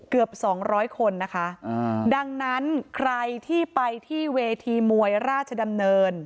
เกือบสองร้อยคนนะคะดังนั้นใครที่ไปที่เวทีมวยราชดำเนิน